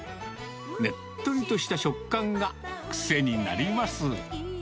ねっとりとした食感が癖になります。